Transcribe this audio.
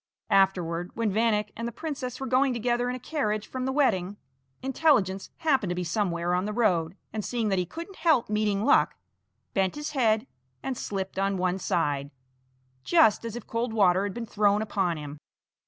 Afterward, when Vanek and the princess were going together in a carriage from the wedding, Intelligence happened to be somewhere on the road, and seeing that he couldn't help meeting Luck, bent his head and slipped on one side, just as if cold water had been thrown upon him.